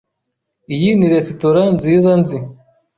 Iyi ni resitora nziza nzi.